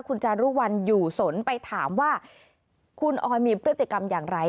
คุณจารุวัลอยู่สนไปถามว่าคุณออยมีพฤติกรรมอย่างไร